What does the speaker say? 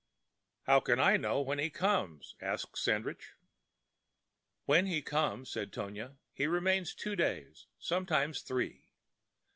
"How can I know when he comes?" asked Sandridge. "When he comes," said Tonia, "he remains two days, sometimes three.